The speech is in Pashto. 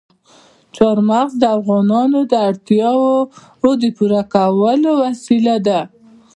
چار مغز د افغانانو د اړتیاوو د پوره کولو وسیله ده.